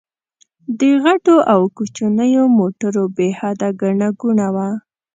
د غټو او کوچنيو موټرو بې حده ګڼه ګوڼه وه.